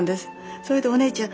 それでお姉ちゃん